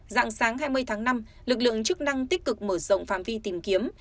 dạng sáng hai mươi tháng năm lực lượng chức năng tích cực mở rộng phạm vi tìm kiếm